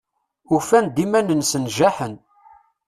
Ufan-d iman-nsen jaḥen.